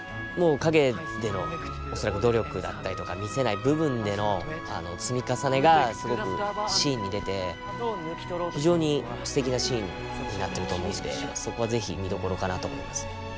もう陰での努力だったりとか見せない部分での積み重ねがすごくシーンに出て非常にすてきなシーンになってると思うんでそこは是非見どころかなと思いますね。